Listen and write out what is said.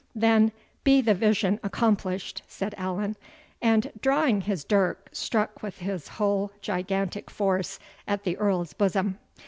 "Then, be the vision accomplished!" said Allan; and, drawing his dirk, struck with his whole gigantic force at the Earl's bosom.